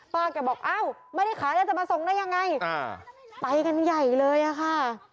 แกบอกอ้าวไม่ได้ขายแล้วจะมาส่งได้ยังไงไปกันใหญ่เลยอะค่ะ